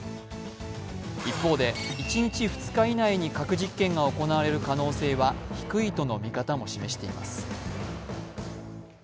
一方で１日２日以内に核実験が行われる可能性は低いとの見方も示しています。